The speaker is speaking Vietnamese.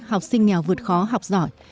học sinh nghèo vượt khó học giỏi